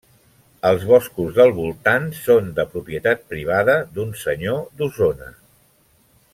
Els boscos del voltant són de propietat privada d’un senyor d’Osona.